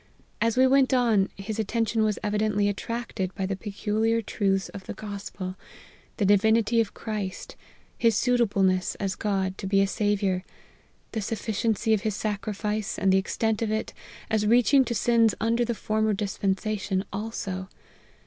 As we went on, his attention was evidently attracted by the pecu liar truths of the Gospel the divinity of Christ his suitableness, as God, to be a Saviour the suf ficiency of his sacrifice, and the extent of it, as reaching to sins under the former dispensation also.